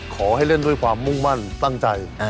ขอให้เล่นด้วยความมุ่งมั่นตั้งใจ